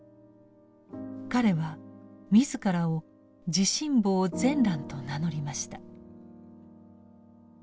彼は自らを「慈信房善鸞」と名乗りました。